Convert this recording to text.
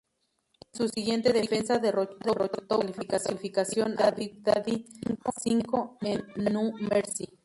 En su siguiente defensa, derrotó por descalificación a Big Daddy V, en No Mercy.